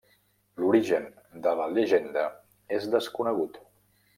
L'origen de la llegenda és desconegut.